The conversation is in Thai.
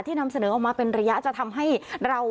นำเสนอออกมาเป็นระยะจะทำให้เรา